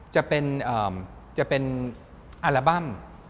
จะเป็นอัลบั้ม